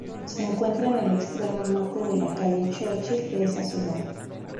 Se encuentra en el extremo norte de la calle Churchill de esa ciudad.